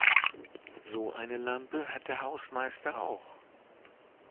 So eine Lampe hat der Hausmeister auch.